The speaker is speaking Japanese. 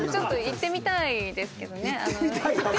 行ってみたいですけどね